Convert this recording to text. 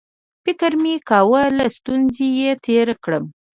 فکر مې کاوه له ستوني یې تېر کړم